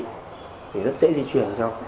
thì rất dễ di chuyển cho